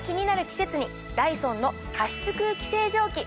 季節にダイソンの加湿空気清浄機。